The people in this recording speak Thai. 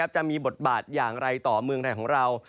จะมีบทบาทอย่างไรต่อเมืองไทยของเรา